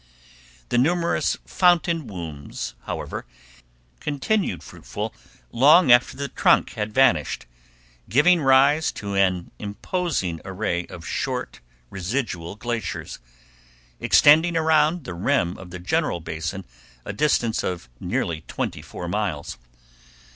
The numerous fountain wombs, however, continued fruitful long after the trunk had vanished, giving rise to an imposing array of short residual glaciers, extending around the rim of the general basin a distance of nearly twenty four miles.